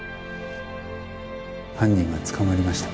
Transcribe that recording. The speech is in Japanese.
犯人が捕まりました。